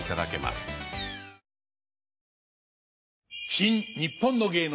「新・にっぽんの芸能」。